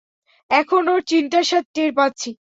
এখন ওর চিন্তার স্বাদ টের পাচ্ছি!